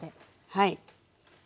はい。